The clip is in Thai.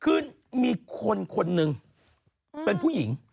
คือมีคนคนหนึ่งเป็นผู้หญิง